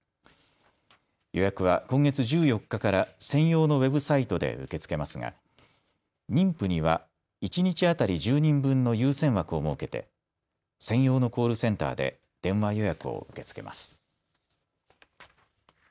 予約は今月１４日から専用のウェブサイトで受け付けますが妊婦には一日当たり１０人分の優先枠を設けて専用のコールセンターで電話予約を受け付けます。